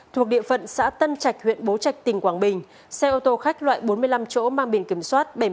thuộc địa phận xã tân trạch huyện bố trạch tỉnh quảng bình xe ô tô khách loại bốn mươi năm chỗ mang biển kiểm soát